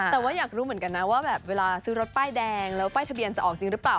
แต่ว่าอยากรู้เหมือนกันนะว่าแบบเวลาซื้อรถป้ายแดงแล้วป้ายทะเบียนจะออกจริงหรือเปล่า